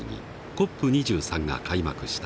ＣＯＰ２３が開幕した。